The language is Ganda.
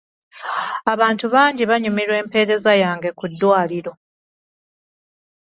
Abantu bangi banyumirwa empereza yange ku ddwaliro.